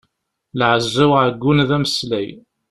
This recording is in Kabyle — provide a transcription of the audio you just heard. Lɛezza uɛeggun d ameslay.